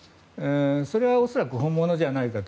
それは恐らく本物じゃないかと。